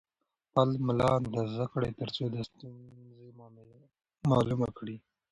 خپل ملا اندازه کړئ ترڅو د ستونزې معلومه کړئ.